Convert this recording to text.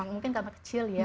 mungkin karena kecil ya